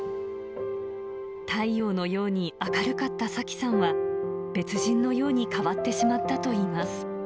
太陽のように明るかった幸さんは、別人のように変わってしまったといいます。